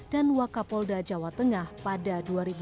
dan wak kapolda jawa tengah pada dua ribu enam belas